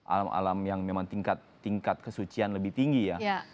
alam alam yang memang tingkat tingkat kesucian lebih tinggi ya